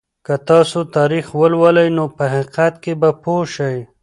که تاسو تاریخ ولولئ نو په حقیقت به پوه شئ.